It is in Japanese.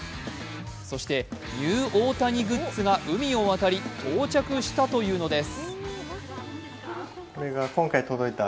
そして、ニュー大谷グッズが海を渡り到着したというのです。